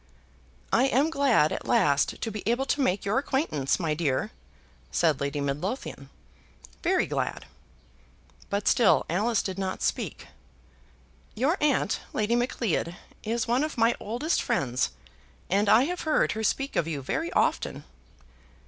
"I am glad at last to be able to make your acquaintance, my dear," said Lady Midlothian; "very glad." But still Alice did not speak. "Your aunt, Lady Macleod, is one of my oldest friends, and I have heard her speak of you very often."